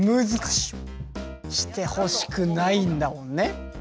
してほしくないんだもんね。